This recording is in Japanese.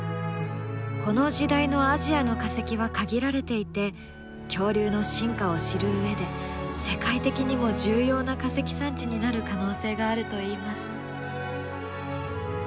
この時代のアジアの化石は限られていて恐竜の進化を知る上で世界的にも重要な化石産地になる可能性があるといいます。